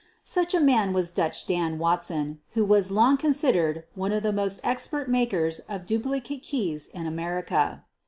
Such a man was "Dutch Dan" Watson, who was long considered one of the most expert makers of duplicate keys in America.